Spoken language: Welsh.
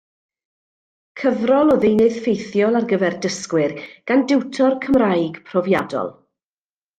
Cyfrol o ddeunydd ffeithiol ar gyfer dysgwyr gan diwtor Cymraeg profiadol.